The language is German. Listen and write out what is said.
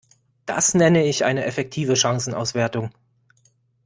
Das nenne ich eine effektive Chancenauswertung!